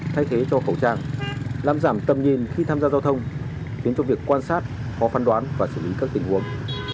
thay thế cho khẩu trang làm giảm tầm nhìn khi tham gia giao thông khiến cho việc quan sát khó phán đoán và xử lý các tình huống